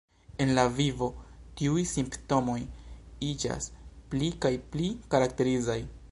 En la vivo tiuj simptomoj iĝas pli kaj pli karakterizaj.